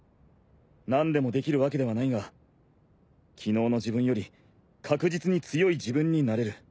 何でもできるわけではないが昨日の自分より確実に強い自分になれる。